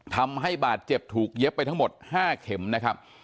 ทำให้บาดเจ็บถูกเย็บไปทั้งหมด๕เข็มนะครับ